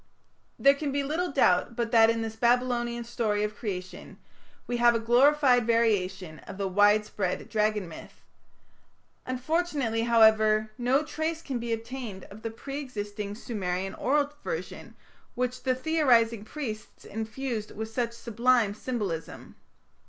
There can be little doubt but that in this Babylonian story of Creation we have a glorified variation of the widespread Dragon myth. Unfortunately, however, no trace can be obtained of the pre existing Sumerian oral version which the theorizing priests infused with such sublime symbolism.